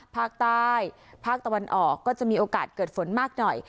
ภาคใต้ภาคตะวันออกก็จะมีโอกาสเกิดฝนมากหน่อย